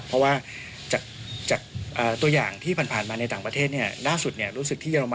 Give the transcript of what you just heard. เพราะว่าตัวอย่างซึ่งที่ผ่านมาในต่างประเทศ